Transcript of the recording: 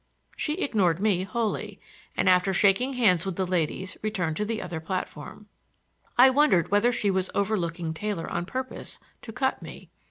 She ignored me wholly, and after shaking hands with the ladies returned to the other platform. I wondered whether she was overlooking Taylor on purpose to cut me.